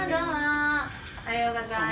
おはようございます。